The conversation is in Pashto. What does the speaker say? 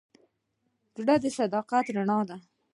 زړه د صداقت رڼا ده.